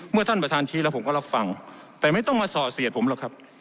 ท่านประธานชี้แล้วผมก็รับฟังแต่ไม่ต้องมาส่อเสียดผมหรอกครับ